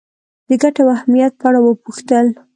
د ګټې او اهمیت په اړه وپوښتل.